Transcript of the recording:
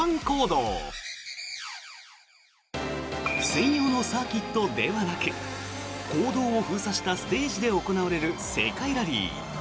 専用のサーキットではなく公道を封鎖したステージで行われる世界ラリー。